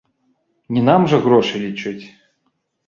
Не нам жа грошы лічыць!